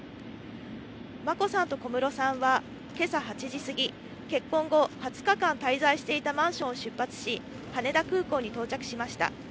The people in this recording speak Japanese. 眞子さんと小室さんは、今朝８時すぎ、結婚後２０日間滞在していたマンションを出発し、羽田空港に到着しました。